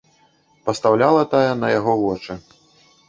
Пастаўляла тая на яго вочы.